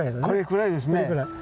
これくらいですね。